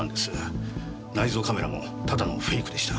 内蔵カメラもただのフェイクでした。